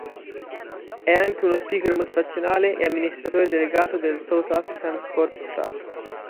È anche uno speaker motivazionale e amministratore delegato del South African Sports Trust.